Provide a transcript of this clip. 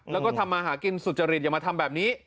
แล้วก็ทำมาหากินสุจริตอย่ามาทำแบบนี้